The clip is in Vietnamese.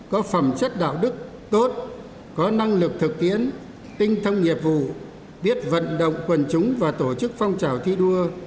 có phẩm chất đạo đức tốt có năng lực thực tiến tinh thông nghiệp vụ biết vận động quần chúng và tổ chức phong trào thi đua